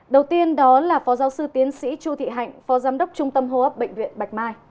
đầu tiên đó là phó giáo sư tiến sĩ chu thị hạnh phó giám đốc trung tâm hô hấp bệnh viện bạch mai